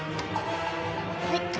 はい。